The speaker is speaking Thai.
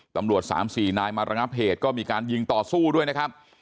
ตำรวจ๓๔นายมาระงับเหตุก็มีการยิงต่อสู้ด้วยนะครับ